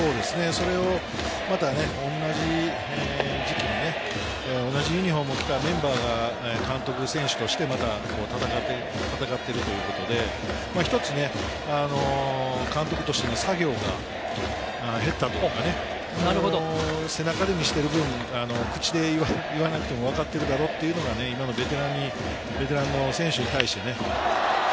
それがまた同じ時期に同じユニホームを着たメンバーが監督・選手としてまた戦っているということで、１つ、監督としての作業が減ったというかね、背中で見せてる分、口で言わなくてもわかってるだろうというのが今のベテランの選手に対してね。